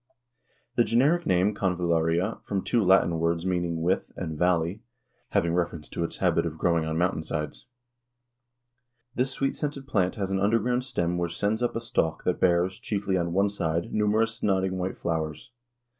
The generic name Convallaria from two Latin words meaning "with" and "valley," having reference to its habit of growing on mountain sides. This sweet scented plant has an underground stem which sends up a stalk that bears, chiefly on one side, numerous nodding white flowers.